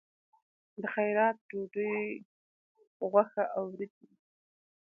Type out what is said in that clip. د خیرات ډوډۍ غوښه او وریجې وي.